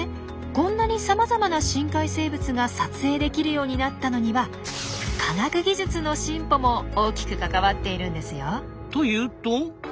こんなにさまざまな深海生物が撮影できるようになったのには科学技術の進歩も大きく関わっているんですよ。というと？